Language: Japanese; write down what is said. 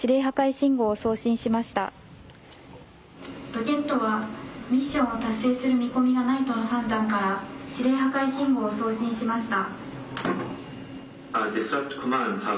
ロケットはミッションを達成する見込みがないとの判断から指令破壊信号を送信しました。